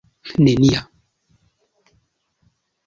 nenia